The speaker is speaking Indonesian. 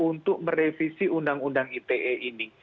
untuk merevisi undang undang ite ini